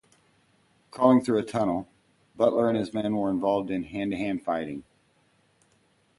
Crawling through a tunnel, Butler and his men were involved in hand-to-hand fighting.